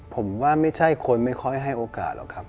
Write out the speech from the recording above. ผมว่าไม่ใช่คนไม่ค่อยให้โอกาสหรอกครับ